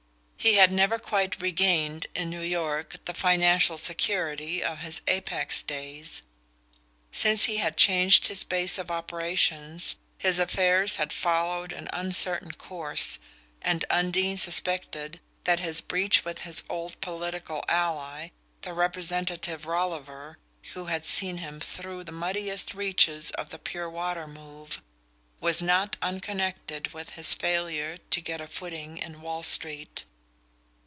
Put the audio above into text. He had never quite regained, in New York, the financial security of his Apex days. Since he had changed his base of operations his affairs had followed an uncertain course, and Undine suspected that his breach with his old political ally, the Representative Rolliver who had seen him through the muddiest reaches of the Pure Water Move, was not unconnected with his failure to get a footing in Wall Street.